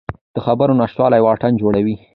د خبرو نشتوالی واټن جوړوي